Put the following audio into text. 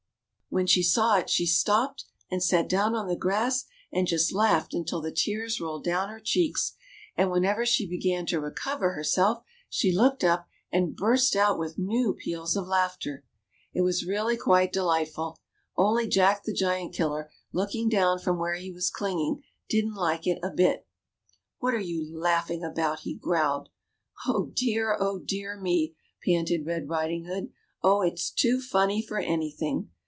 AVhen she saw it, she stopped and sat down on the grass, and just laughed until the tears rolled down her cheeks ; and whenever she began to recover herself she looked up and burst out with new peals of laughter. It was really quite de lightful ; only J ack the Giant killer, looking down from where he was clinging, didn't like it a bit. ^^AA^hat are you laughing about?" he growled. Oh, dear! oh, dear me!" panted Red Riding hood; ^^oh! it's too funny for anything.